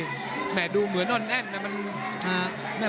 เดี๋ยวดูเหมือนตอดแนมแต่มัน